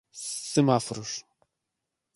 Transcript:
semáforos